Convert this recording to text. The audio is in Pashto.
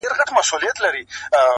• چي له مېړونو مېنه خالي سي -